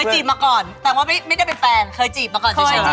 เคยจีบมาก่อนแต่ว่าไม่ได้เป็นแฟนเคยจีบมาก่อนเฉยเคยจีบ